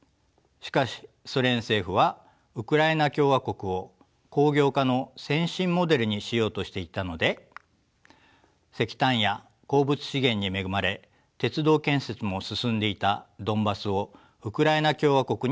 しかしソ連政府はウクライナ共和国を工業化の先進モデルにしようとしていたので石炭や鉱物資源に恵まれ鉄道建設も進んでいたドンバスをウクライナ共和国に含めました。